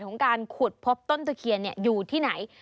ของการขุดพบต้นตะเคียนอยู่ที่ไหน